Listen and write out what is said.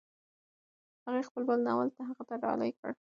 هغې خپل بل ناول هغه ته ډالۍ کړ.